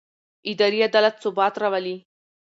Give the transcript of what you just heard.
اداري عدالت ثبات راولي